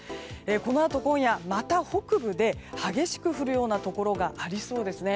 このあと今夜、また北部で激しく降るところがありそうです。